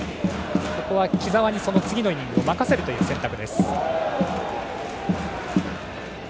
ここは木澤に次のイニングを任せるという選択。